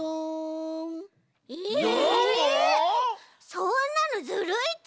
そんなのずるいち。